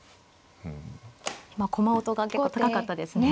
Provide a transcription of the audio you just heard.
今駒音が結構高かったですね。